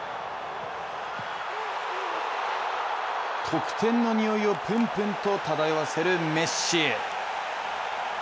得点のにおいをぷんぷんと漂わせるメッシ。